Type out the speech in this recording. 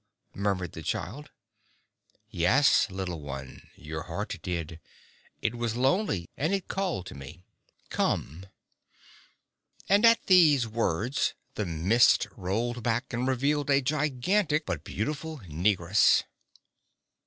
murmured the child. "Yes, little one, your heart did! It was lonely, and it called to me. Come!" And at these words the mist rolled back and revealed a gigantic, but beautiful, negress.